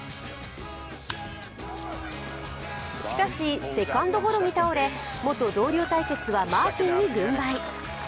しかし、セカンドゴロに倒れ、元同僚対決はマーティンに軍配。